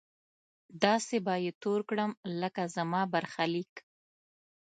داسې به يې تور کړم لکه زما برخليک